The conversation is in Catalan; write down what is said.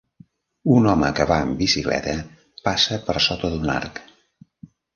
Un home que va en bicicleta passa per sota d'un arc.